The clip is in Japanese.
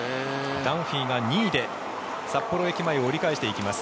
ダンフィーが２位で札幌駅前を折り返していきます。